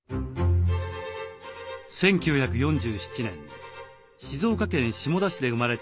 １９４７年静岡県下田市で生まれた栗原はるみさん。